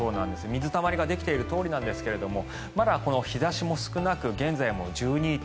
水たまりができているとおりなんですがまだ日差しも少なく現在も１２．４度。